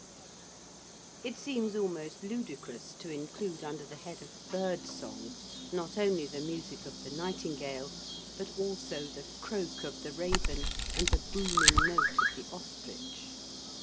It seems almost ludicrous to include under the head of birdsong not only the music of the nightingale, but also the croak of the raven and the booming note of the ostrich.